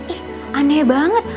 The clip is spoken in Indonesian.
ih aneh banget